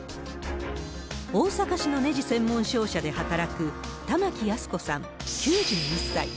大阪市のねじ専門商社で働く、玉置泰子さん９１歳。